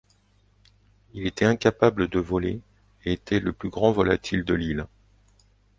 Il était incapable de voler, et était le plus grand volatile de l'île.